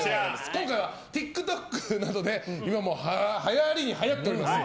今回は、ＴｉｋＴｏｋなどで今、はやりにはやっております